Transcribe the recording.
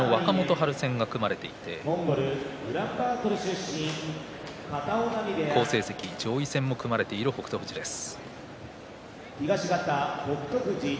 春戦が組まれていて好成績、上位戦も組まれている北勝富士です。